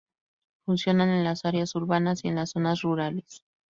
Funcionan en las áreas urbanas y en las zonas rurales.